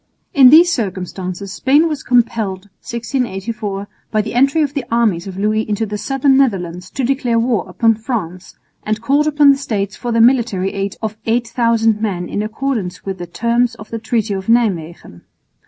In these circumstances Spain was compelled (1684) by the entry of the armies of Louis into the southern Netherlands to declare war upon France, and called upon the States for their military aid of 8000 men in accordance with the terms of the treaty of Nijmwegen.